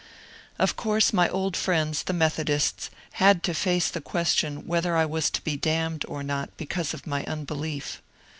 Of course my old friends, the Methodists, had to face the question whether I was to be damned or not because of my unbelief.